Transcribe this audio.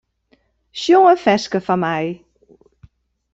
Sjong in ferske foar my.